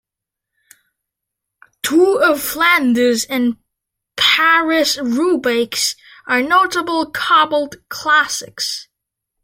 Tour of Flanders and Paris-Roubaix are notable cobbled classics.